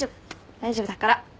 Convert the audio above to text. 大丈夫だから。